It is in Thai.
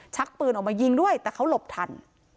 ชักปืนออกมายิงด้วยแต่เขาหลบทัน